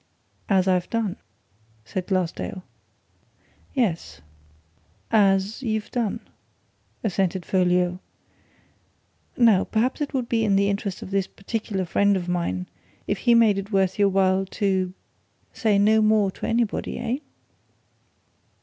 "As I've done," said Glassdale. "As you've done," assented Folliot. "Now, perhaps it would be in the interest of this particular friend of mine if he made it worth your while to say no more to anybody, eh?"